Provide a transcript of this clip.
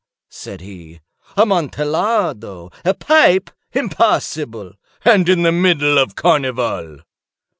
said he. "Amontillado? A pipe? Impossible! And in the middle of the carnival!"